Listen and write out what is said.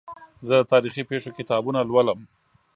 زه د تاریخي پېښو کتابونه لولم.